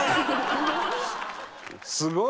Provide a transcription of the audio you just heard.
すごいな！